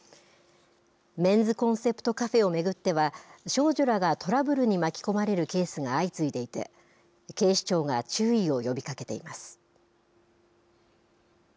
メンズコンセプトカフェを巡っては、少女らがトラブルに巻き込まれるケースが相次いでいて、警視庁が注意を呼びかけています。